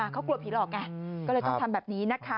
เขากลัวผีหลอกไงก็เลยต้องทำแบบนี้นะคะ